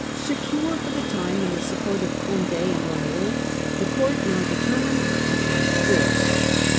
Secure for the time in the support of Cond£ and Orleans, the court now determined upon force.